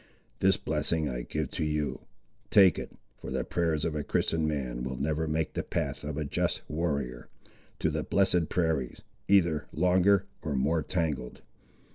This blessing I give to you; take it, for the prayers of a Christian man will never make the path of a just warrior, to the blessed prairies, either longer, or more tangled.